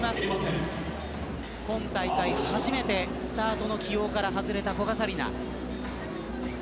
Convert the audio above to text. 今大会、初めてスタートの起用から外れた古賀紗理那。